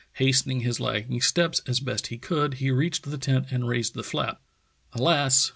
Hastening his lagging steps as best he could, he reached the tent and raised the flap. Alas!